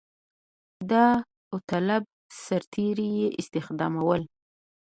داوطلب سرتېري یې استخدامول.